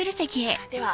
では。